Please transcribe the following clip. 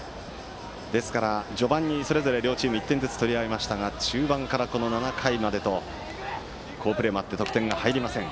ですから序盤にそれぞれ両チーム１点ずつ取り合いましたが中盤から、この７回までは好プレーもあって得点が入りません。